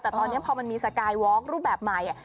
แต่ตอนนี้พอมันมีสกายวอล์กรูปแบบใหม่